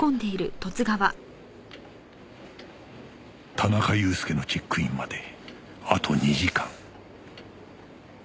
田中裕介のチェックインまであと２時間